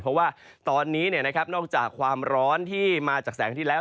เพราะว่าตอนนี้นอกจากความร้อนที่มาจากแสงที่แล้ว